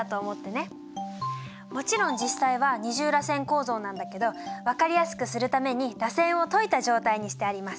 もちろん実際は二重らせん構造なんだけど分かりやすくするためにらせんを解いた状態にしてあります。